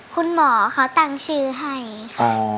คุณหมอเขาตั้งชื่อให้ค่ะ